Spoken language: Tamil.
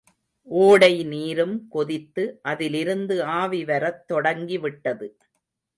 ஓடை நீரும் கொதித்து, அதிலிருந்து ஆவி வரத் தொடங்கிவிட்டது!